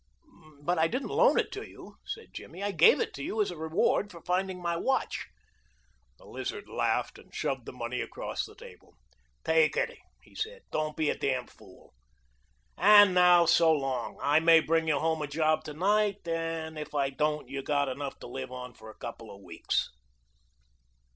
"But I didn't loan it to you," said Jimmy; "I gave it to you as a reward for finding my watch." The Lizard laughed and shoved the money across the table. "Take it," he said; "don't be a damn fool. And now so long! I may bring you home a job to night, but if I don't you've got enough to live on for a couple of weeks."